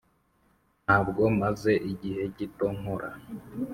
ntabwo maze igihe gito nkora.